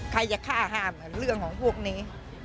ใครจะฆ่าห้ามเรื่องของพวกนี้